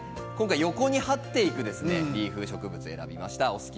今回、横にはっていくリーフを用意しました。